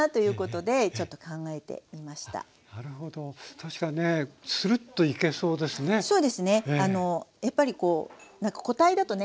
確かにねつるっといけそうですね。